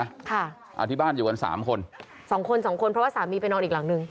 อ่าที่บ้านอยู่กันสามคนสองคนสองคนเพราะว่าสามีไปนอนอีกหลังหนึ่ง